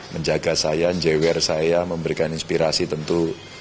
menjaga saya njewer saya memberikan inspirasi tentu